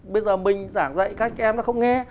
bây giờ mình giảng dạy các em nó không nghe